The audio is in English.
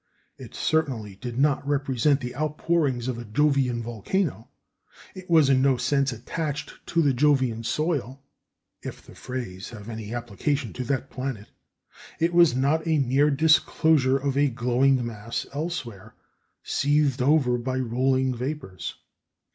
It certainly did not represent the outpourings of a Jovian volcano; it was in no sense attached to the Jovian soil if the phrase have any application to that planet; it was not a mere disclosure of a glowing mass elsewhere seethed over by rolling vapours.